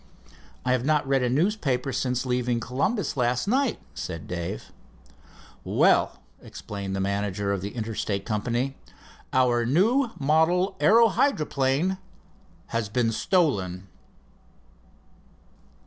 "I have not read a newspaper since leaving Columbus last night," said Dave. "Well," explained the manager of the Interstate Company, "our new model aero hydroplane his been stolen."